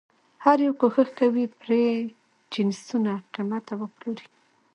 هر یو کوښښ کوي پرې جنسونه قیمته وپلوري.